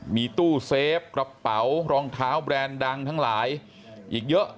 มีตู้เซฟกระเป๋ารองเท้าแบรนด์ดังทั้งหลายอีกเยอะ